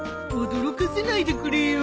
驚かせないでくれよ。